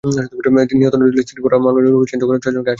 নিহত নজরুলের স্ত্রীর করা মামলায় নূর হোসেনসহ ছয়জনকে আসামি করা হয়।